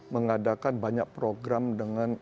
mengadakan banyak program dengan